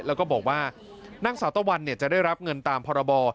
แล้วก็บอกว่านางสาวตะวันจะได้รับเงินตามพรบ